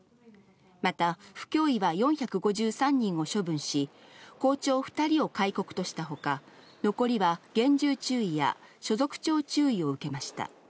また府教委は４５３人を処分し、校長２人を戒告としたほか、残りは厳重注意や所属長注意を受けました。